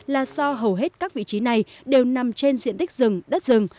là do hầu hết các vị trí này đều nằm trên diện tích rừng đất rừng